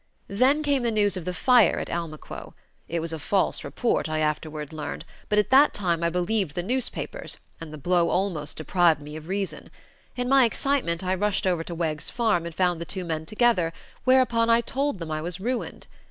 "Then came the news of the fire at Almaquo. It was a false report, I afterward learned, but at that time I believed the newspapers, and the blow almost deprived me of reason. In my excitement I rushed over to Wegg's farm and found the two men together, whereupon I told them I was ruined.